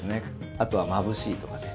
あとはまぶしいとかね。